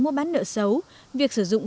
mua bán nợ xấu việc sử dụng